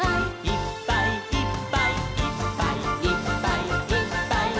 「いっぱいいっぱいいっぱいいっぱい」